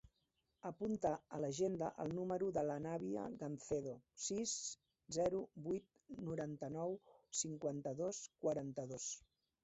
Apunta a l'agenda el número de l'Anabia Gancedo: sis, zero, vuit, noranta-nou, cinquanta-dos, quaranta-dos.